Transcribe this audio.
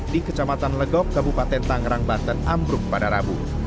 di kecamatan legok kabupaten tangerang banten ambruk pada rabu